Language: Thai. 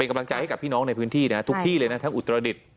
กำลังใจให้กับพี่น้องในพื้นที่นะทุกที่เลยนะทั้งอุตรดิษฐ์